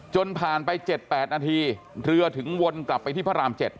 จนผ่านไป๗๘นาทีเรือถึงวนกลับไปที่พระราม๗